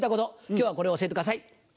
今日はこれを教えてください。